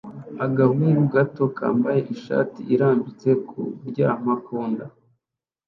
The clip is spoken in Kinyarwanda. Agahungu gato kambaye ishati irambitse kuryama ku nda